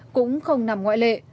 cũng không nằm ngoại lệ